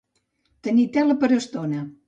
Tenir tela per estona.